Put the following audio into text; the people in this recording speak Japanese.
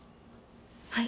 はい。